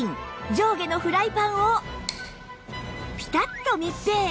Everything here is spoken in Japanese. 上下のフライパンをピタッと密閉